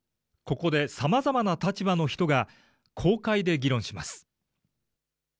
ここでさまざまな立場の人が、公開で議論します。